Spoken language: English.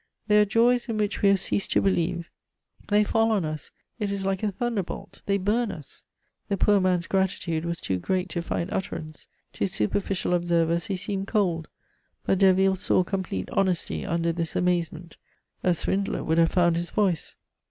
There are joys in which we have ceased to believe; they fall on us, it is like a thunderbolt; they burn us. The poor man's gratitude was too great to find utterance. To superficial observers he seemed cold, but Derville saw complete honesty under this amazement. A swindler would have found his voice.